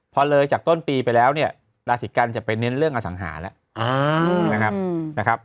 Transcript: พอเลยจากต้นปีไปแล้วเนี่ยราศีกันจะไปเน้นเรื่องอสังหาแล้วนะครับ